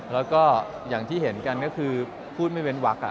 แล้วก็อย่างที่เห็นกันก็คือพูดไม่เว้นวัก